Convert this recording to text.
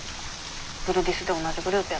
グルディスで同じグループやった子に。